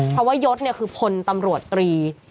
เพราะว่ายศคือพลตำรวจตรี